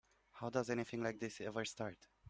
How does anything like this ever start?